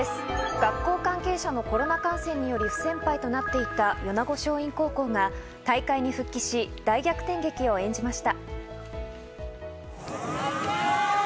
学校関係者のコロナ感染により、不戦敗となっていた米子松蔭高校が大会に復帰し、大逆転劇を演じました。